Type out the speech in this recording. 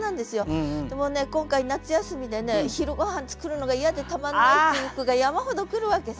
もうね今回夏休みでね昼ごはん作るのが嫌でたまんないっていう句が山ほど来るわけさ。